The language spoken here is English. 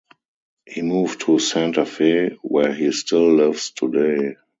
He moved to Santa Fe where he still lives today.